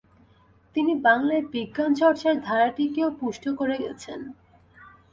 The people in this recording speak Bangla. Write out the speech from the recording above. তিনি বাংলায় বিজ্ঞানচর্চার ধারাটিকেও পুষ্ট করে গেছেন।